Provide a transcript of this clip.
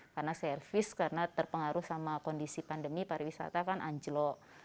karena servis karena terpengaruh sama kondisi pandemi pariwisata kan anjlok